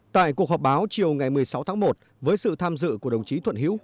tại cuộc họp báo chiều ngày một mươi sáu tháng một với sự tham dự của đồng chí thuận hữu